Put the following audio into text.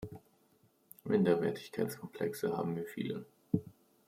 Minderwertigkeitskomplexe haben wir viele.